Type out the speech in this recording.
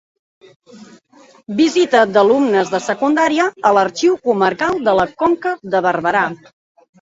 Visita d'alumnes de secundària a l'Arxiu Comarcal de la Conca de Barberà.